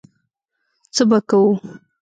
څه به کوو.